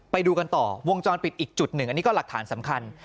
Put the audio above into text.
ไปดูกันต่อวงจรปิดอีกจุดหนึ่งอันนี้ก็หลักฐานสำคัญ